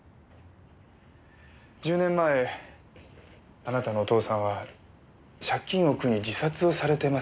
１０年前あなたのお父さんは借金を苦に自殺をされてますよね？